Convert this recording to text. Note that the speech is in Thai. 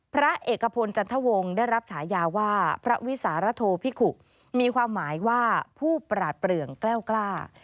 พระเอกพลจันทวงศ์ได้รับฉายาว่าพระวิสารโทพิขุมีความหมายว่าผู้ปราดเปลืองแก้วกล้า